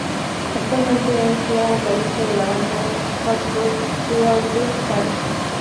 Actualmente es la vocalista de la banda de Hard Rock We Are The Fallen.